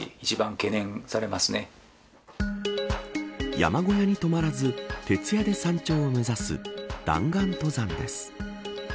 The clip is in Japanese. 山小屋に泊まらず徹夜で山頂を目指す弾丸登山です。